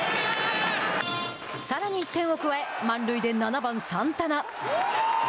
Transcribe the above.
さらに１点を加え満塁で７番サンタナ。